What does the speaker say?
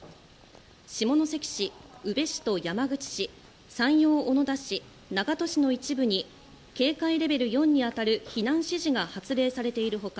下関市、宇部市と山口市山陽小野田市、長門市の一部に警戒レベル４に当たる避難指示が発令されている他